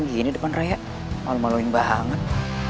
gini depan raya malu maluin banget